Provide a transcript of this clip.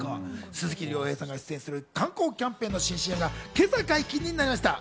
鈴木亮平さんが出演する観光キャンペーンの新ＣＭは今朝解禁になりました。